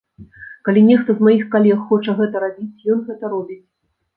Калі нехта з маіх калег хоча гэта рабіць, ён гэта робіць.